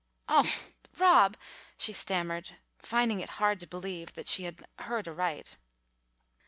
"Oh, Rob!" she stammered, finding it hard to believe that she had heard aright.